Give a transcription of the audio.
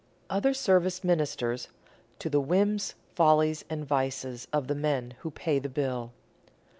Other service ministers to the whims, follies, and vices of the men who pay the bill.